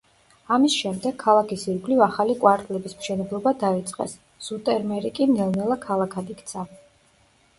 ამის შემდეგ, ქალაქის ირგვლივ ახალი კვარტლების მშენებლობა დაიწყეს, ზუტერმერი კი ნელ-ნელა ქალაქად იქცა.